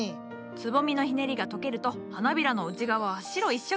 つぼみのひねりがとけると花びらの内側は白一色。